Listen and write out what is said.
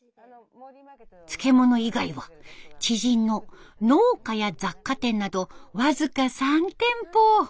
漬物以外は知人の農家や雑貨店など僅か３店舗。